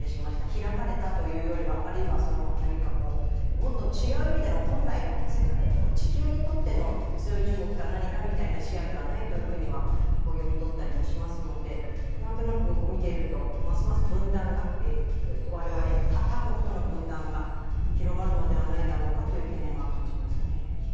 開かれたというよりはあるいはもっと違う意味での、本来の地球にとっての中国とは何かという視野ではないと読み取ったりしますので何となく、見ていると、ますます他国との分断が広がるのではないだろうかという懸念は感じますね。